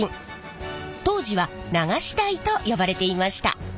当時は流し台と呼ばれていました。